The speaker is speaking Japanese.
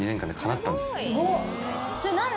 すごっ！